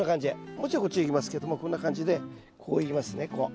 もうちょいこっちへいきますけどもこんな感じでこういきますねこう。